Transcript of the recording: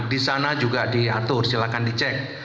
di sana juga diatur silakan dicek